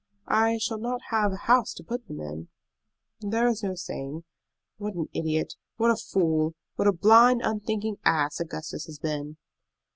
"I shall not have a house to put them in." "There is no saying. What an idiot, what a fool, what a blind, unthinking ass Augustus has been!"